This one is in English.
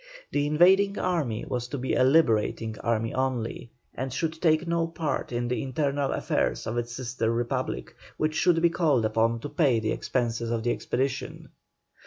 The invading army was to be a liberating army only, and should take no part in the internal affairs of the sister republic, which should be called upon to pay the expenses of the expedition.